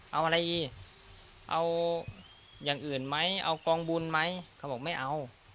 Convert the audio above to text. เอาอะไรอีกเอาอย่างอื่นไหมเอากองบุญไหมเขาบอกไม่เอา